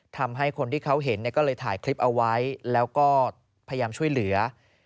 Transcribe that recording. ทำให้คนที่เขาเห็นก็เลยถ่ายคลิปเอาไว้แล้วก็พยายามช่วยเหลือ